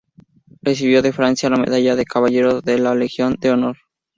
Recibió de Francia la medalla de Caballero de la Legión de Honor.